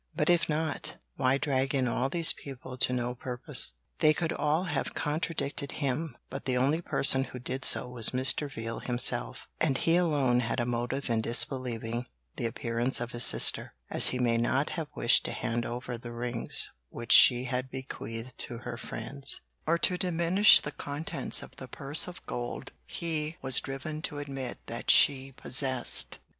But if not, why drag in all these people to no purpose? They could all have contradicted him, but the only person who did so was Mr. Veal himself, and he alone had a motive in disbelieving the appearance of his sister, as he may not have wished to hand over the rings which she had bequeathed to her friends, or to diminish the contents of the purse of gold he was driven to admit that she possessed.